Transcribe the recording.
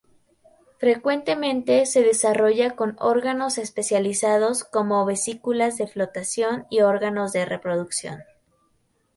Frecuentemente se desarrolla con órganos especializados como vesículas de flotación y órganos de reproducción.